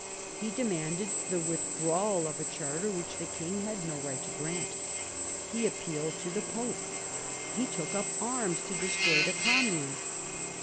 He demanded the with drawal of a charter which the king had no right to grant. He appealed to the Pope. He took up arms to destroy the commune.